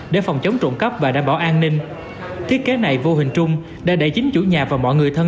để phòng chống trộn cấp và đảm bảo an ninh thiết kế này vô hình trung đã đẩy chính chủ nhà và mọi người thân